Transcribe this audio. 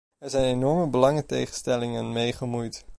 Er zijn enorme belangentegenstellingen mee gemoeid.